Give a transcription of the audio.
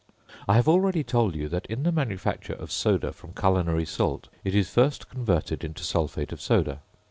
I have already told you, that in the manufacture of soda from culinary salt, it is first converted into sulphate of soda.